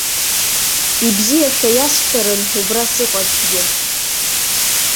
Ибзиашәа иасҳәарын убра сыҟазҭгьы!